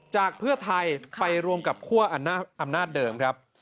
จากเพื่อไทยไปรวมกับคั่วอำนาจเดิมครับ